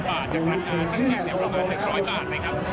จากราคาแจกเนี่ยประมาณ๑๐๐บาทเลยครับ